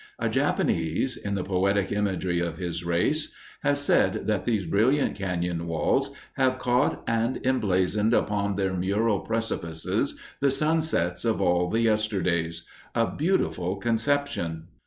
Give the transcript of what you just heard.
A Japanese, in the poetic imagery of his race, has said that these brilliant cañon walls have caught and emblazoned upon their mural precipices the sunsets of all the yesterdays a beautiful conception.